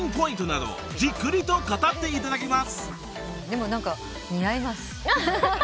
でも何か似合います。